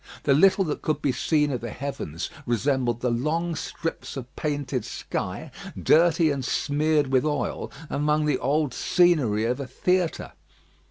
The little that could be seen of the heavens resembled the long strips of painted sky, dirty and smeared with oil, among the old scenery of a theatre.